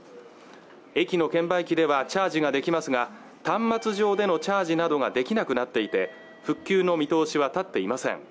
駅の券売機ではチャージができますが端末上でのチャージなどができなくなっていて復旧の見通しは立っていません